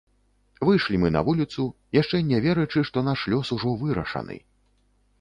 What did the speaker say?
Выйшлі мы на вуліцу, яшчэ не верачы, што наш лёс ужо вырашаны!